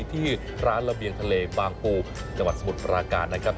ที่ร้านระเบียงทะเลบางปูจังหวัดสมุทรปราการนะครับ